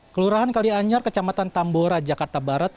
kelurahan kalianyar kecamatan tambora jakarta barat